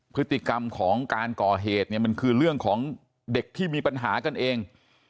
พฤติกรรมของการก่อเหตุเนี่ยมันคือเรื่องของเด็กที่มีปัญหากันเอง